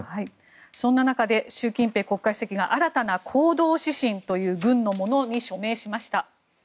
そんな中で習近平国家主席が新たな行動指針という文書に署名しました。